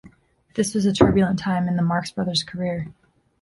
This was a turbulent time in the Marx Brothers' career.